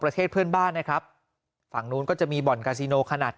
ประเทศเพื่อนบ้านนะครับฝั่งนู้นก็จะมีบ่อนกาซิโนขนาด